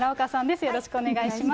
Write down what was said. よろしくお願いします。